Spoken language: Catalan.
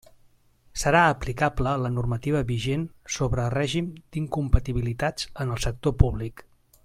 Serà aplicable la normativa vigent sobre règim d'incompatibilitats en el sector públic.